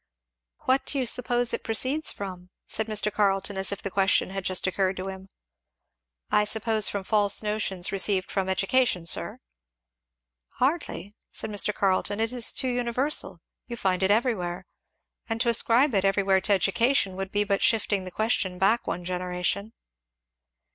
"What do you suppose it proceeds from?" said Mr. Carleton, as if the question had just occurred to him. "I suppose, from false notions received from education, sir." "Hardly," said Mr. Carleton; "it is too universal. You find it everywhere; and to ascribe it everywhere to education would be but shifting the question back one generation."